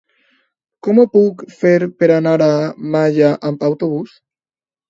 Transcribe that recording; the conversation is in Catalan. Com ho puc fer per anar a Malla amb autobús?